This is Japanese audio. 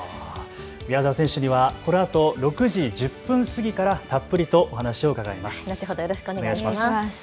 宮澤選手にはこのあと６時１０分過ぎからたっぷりとお話を伺います。